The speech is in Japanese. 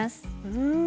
うん。